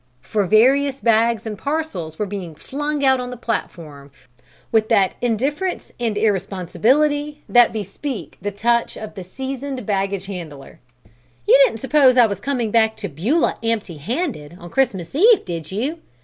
For various bags and parcels were being flung out on the platform with that indifference and irresponsibility that bespeak the touch of the seasoned baggage handler. "You didn't suppose I was coming back to Beulah empty handed, on Christmas Eve, did you?